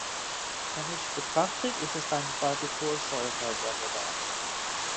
Chemisch betrachtet ist es ein Barbitursäure-Derivat.